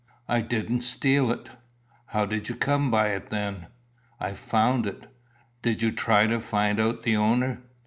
"I didn't steal it." "How did you come by it, then?" "I found it." "Did you try to find out the owner?"